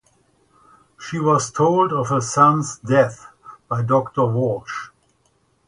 She was told of her son's death by Doctor Walsh.